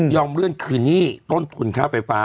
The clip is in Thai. เลื่อนคืนหนี้ต้นทุนค่าไฟฟ้า